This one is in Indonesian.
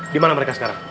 di mana mereka sekarang